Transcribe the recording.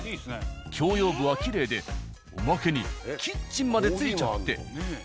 共用部はきれいでおまけにキッチンまで付いちゃって。